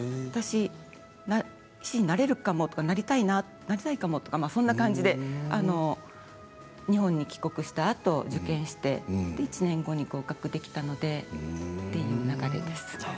私、医師になれるかもとかなりたいかもとか、そんな感じで日本に帰国したあと受験して１年後に合格できたのでっていう流れです。